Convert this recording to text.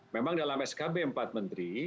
memang dalam skb empat menteri